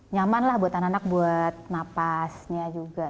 nyaman lah buat anak anak buat napasnya juga